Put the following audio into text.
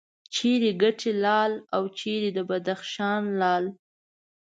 چیرې کټې لال او چیرې د بدخشان لعل.